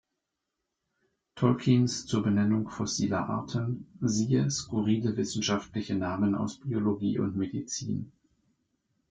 Tolkiens zur Benennung fossiler Arten, siehe Skurrile wissenschaftliche Namen aus Biologie und Medizin.